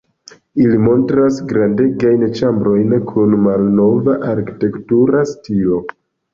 Ili montras grandegajn ĉambrojn kun malnova arkitektura stilo.